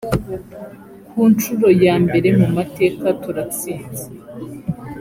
ku nshuro ya mbere mu mateka turatsinze